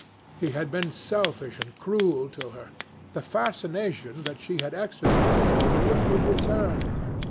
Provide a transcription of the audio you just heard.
He had been selfish and cruel to her. The fascination that she had exercised over him would return.